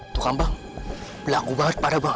tuh kan bang pelaku banget pada bang